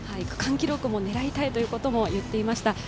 区間記録も狙いたいということも言っていました。